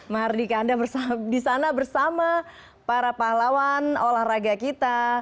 mehar di sana bersama para pahlawan olahraga kita